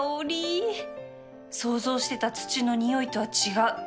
想像してた土のにおいとは違う